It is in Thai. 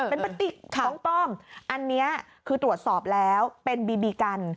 เป็นปฏิกของป้อมอันนี้คือตรวจสอบแล้วเป็นบีบีกัน